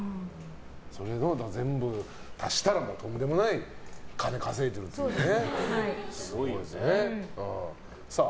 それを全部足したらとんでもない金稼いでるんですよね。